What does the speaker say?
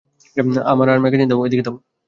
আর আমার ম্যাগাজিন, দাও, এদিকে দাও।